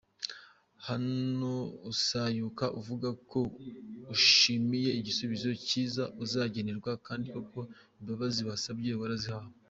Hano usayuka uvuga ko “ushimiye igisubizo cyiza uzagenerwa” kandi koko imbabazi wasabye warazihawe.